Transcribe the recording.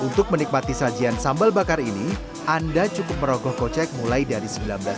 untuk menikmati sajian sambal bakar ini anda cukup merokok kocek mulai dari rp sembilan belas per porsi